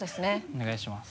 お願いします。